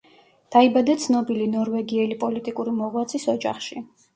დაიბადა ცნობილი ნორვეგიელი პოლიტიკური მოღვაწის ოჯახში.